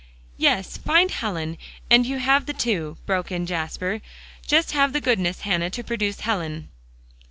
"Yes; find Helen, and you have the two," broke in Jasper. "Just have the goodness, Hannah, to produce Helen."